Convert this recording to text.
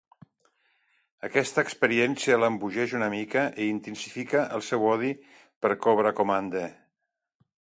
Aquesta experiència l'embogeix una mica, i intensifica el seu odi per Cobra Commander.